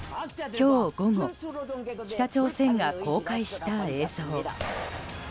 今日午後北朝鮮が公開した映像。